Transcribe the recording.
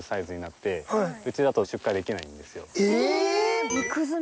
え！